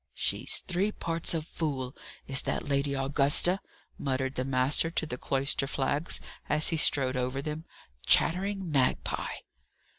"She's three parts a fool, is that Lady Augusta," muttered the master to the cloister flags as he strode over them. "Chattering magpie!"